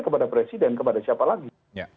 kepada presiden kepada siapa lagi